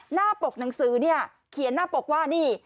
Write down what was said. ปกหนังสือเนี่ยเขียนหน้าปกว่านี่